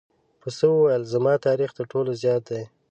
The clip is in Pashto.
پسه وویل زما تاریخ تر ټولو زیات دی.